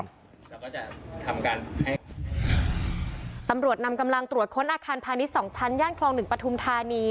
เราก็จะทำการให้ตำรวจนำกำลังตรวจค้นอาคารพาณิชย์สองชั้นย่านคลองหนึ่งปฐุมธานี